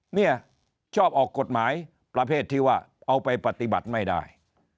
เนี่ยชอบออกกฎหมายประเภทที่ว่าเอาไปปฏิบัติไม่ได้